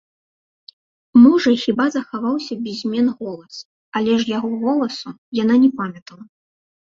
Можа, хіба захаваўся без змен голас, але ж яго голасу яна не памятала.